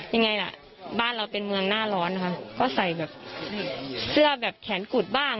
ยังไงล่ะบ้านเราเป็นเมืองหน้าร้อนค่ะก็ใส่แบบเสื้อแบบแขนกุดบ้าง